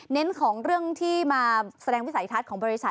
ของเรื่องที่มาแสดงวิสัยทัศน์ของบริษัท